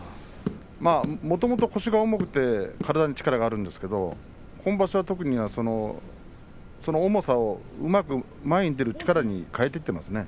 もともと腰が重くて力があるんですが今場所、特に重さをうまく前に出る力に変えていっていますね。